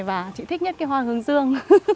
và chị thích nhất hoa hướng dương